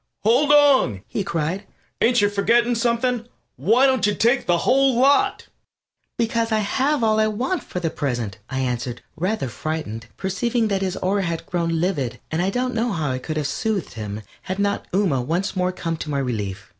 "Hold on!" he cried. "Ain't you forgetting something? Why don't you take the whole lot?" "Because I have all I want for the present," I answered, rather frightened, perceiving that his aura had grown livid, and I don't know how I could have soothed him had not Ooma once more come to my relief.